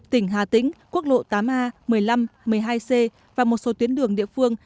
tỉnh hà tĩnh quốc lộ tám a một mươi năm một mươi hai c và một số tuyến đường địa phương